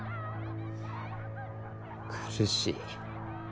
苦しい。